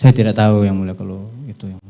saya tidak tahu yang mulia kalau itu